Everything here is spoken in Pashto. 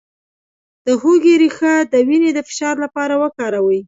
د هوږې ریښه د وینې د فشار لپاره وکاروئ